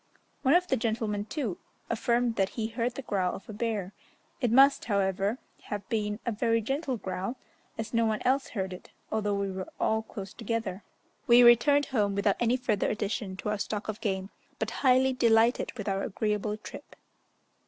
One of the gentlemen, too, affirmed that he heard the growl of a bear; it must, however, have been a very gentle growl, as no one else heard it, although we were all close together. We returned home without any further addition to our stock of game, but highly delighted with our agreeable trip.